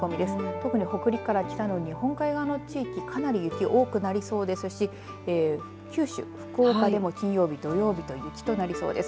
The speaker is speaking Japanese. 特に北陸から北の日本海側の地域かなり雪多くなりそうですし九州、福岡でも金曜日土曜日と雪になりそうです。